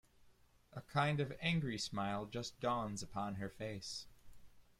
A kind of angry smile just dawns upon her face.